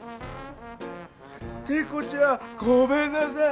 テンコちゃんごめんなさい。